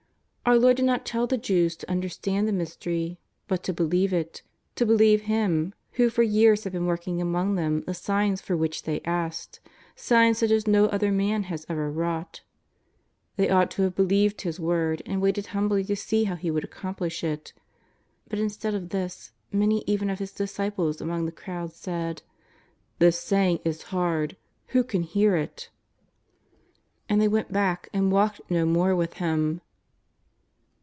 Our Lord did not tell the Jews to understand the mystery, but to believe it, to believe Him who for years had been working among them the signs for which they asked, signs such as no other man had ever wrought. They ought to have believed His word and waited humbly to see how He would accomplish it. But instead of this many even of His disciples among the crowd said: " This saying is hard, who can hear it ?" JESUS OF NAZARETH. 24S And they went back and walked no more with Him.